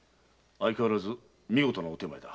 相変わらず見事なお点前だ。